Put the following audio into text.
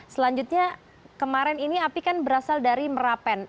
selanjutnya kemarin ini api kan berasal dari merapen